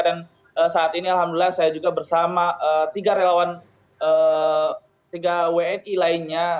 dan saat ini alhamdulillah saya juga bersama tiga relawan tiga wni lainnya